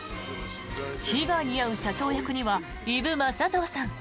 被害に遭う社長役には伊武雅刀さん。